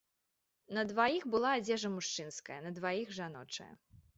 На дваіх была адзежа мужчынская, на дваіх жаночая.